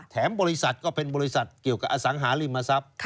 บริษัทก็เป็นบริษัทเกี่ยวกับอสังหาริมทรัพย์